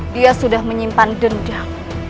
dia sudah menyimpan dendam